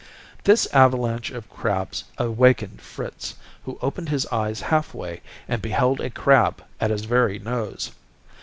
This avalanche of crabs awakened Fritz, who opened his eyes halfway and beheld a crab at his very nose.